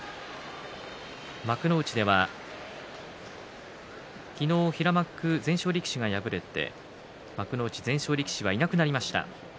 幕内では昨日、平幕全勝力士が敗れて幕内全勝力士はいなくなりました。